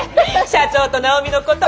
社長と直美のこと。